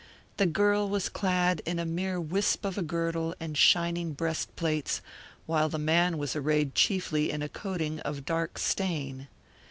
The girl was clad in a mere whisp of a girdle and shining breast plates, while the man was arrayed chiefly in a coating of dark stain.